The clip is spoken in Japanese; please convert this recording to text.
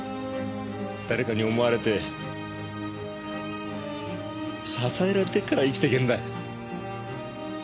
誰かに思われて支えられてるから生きていけるんだ。